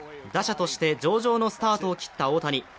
打者として上々のスタートを切った大谷。